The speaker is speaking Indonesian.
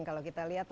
kalau kita lihat